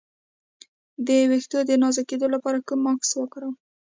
د ویښتو د نازکیدو لپاره کوم ماسک وکاروم؟